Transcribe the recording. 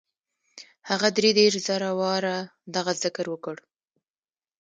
هغه دري دېرش زره واره دغه ذکر وکړ.